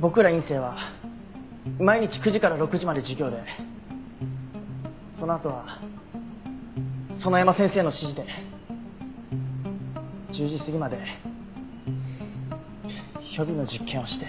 僕ら院生は毎日９時から６時まで授業でそのあとは園山先生の指示で１０時過ぎまで予備の実験をして。